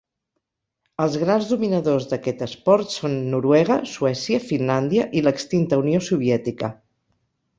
Els grans dominadors d'aquest esport són Noruega, Suècia, Finlàndia i l'extinta Unió Soviètica.